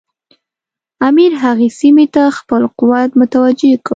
امیر هغې سیمې ته خپل قوت متوجه کړ.